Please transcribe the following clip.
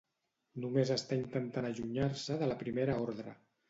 Només està intentant allunyar-se de la Primera Ordre.